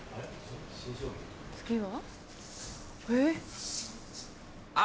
次は？